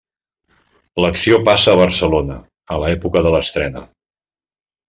L'acció passa a Barcelona, a l'època de l'estrena.